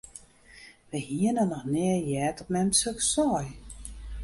Wy hiene noch nea heard dat mem soks sei.